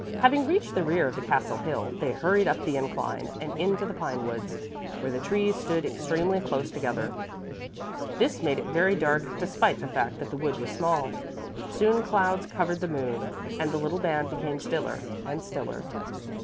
Having reached the rear of the castle hill, they hurried up the incline and into the pinewoods, where the trees stood extremely close together. This made it very dark, despite the fact that the wood was small. Soon clouds covered the moon, and the little band became stiller and stiller.